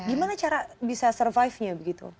gimana cara bisa survive nya begitu